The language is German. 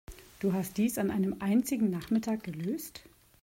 Du hast dies an einem einzigen Nachmittag gelöst?